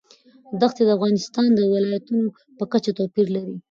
دښتې د افغانستان د ولایاتو په کچه توپیر لري.